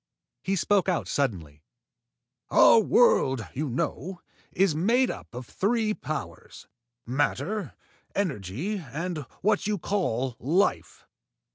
He spoke out suddenly. "Our world, you know, is made up of three powers: matter, energy and what you call life.